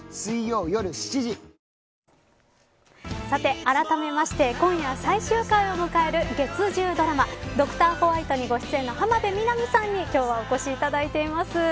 さて、あらためまして今夜最終回を迎える月１０ドラマドクターホワイトにご出演の浜辺美波さんに今日はお越しいただいています。